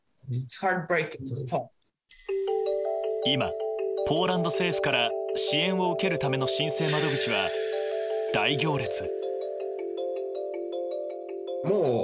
今、ポーランド政府から支援を受けるための申請窓口は大行列。